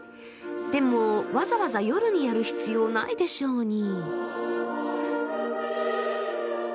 でもわざわざ夜にやる必要ないでしょうに。